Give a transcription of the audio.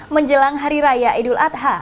menjelang hari raya idul adha